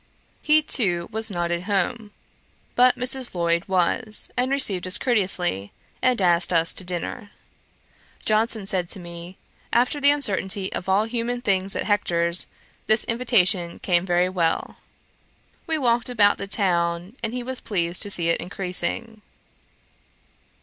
He too was not at home; but Mrs. Lloyd was, and received us courteously, and asked us to dinner. Johnson said to me, 'After the uncertainty of all human things at Hector's, this invitation came very well.' We walked about the town, and he was pleased to see it increasing.